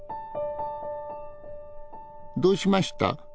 どうしました？